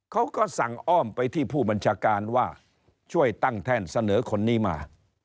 เขาก็สั่งอ้อมไปที่ผู้บัญชาการว่าช่วยตั้งแท่นเสนอคนนี้มา